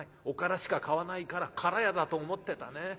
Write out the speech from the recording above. おからしか買わないからから屋だと思ってたね。